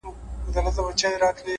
هوښیار انتخاب راتلونکې ستونزې کموي’